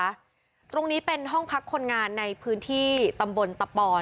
ตรงนี้เป็นห้องพักคนงานในพื้นที่ตำบลตะปอน